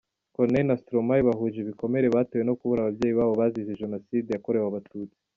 Corneille na Stromae bahuje ibikomere batewe no kubura ababyeyi babo bazize Jenoside yakorewe abatutsi.